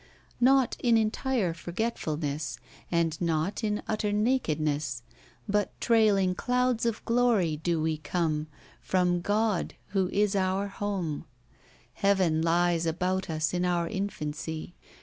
Not in entire f orgetfulness. And not in utter nakedness, But trailing clouds of g\ocy do we come Prom God, who is our home: Heaven li^ about us in our infancy.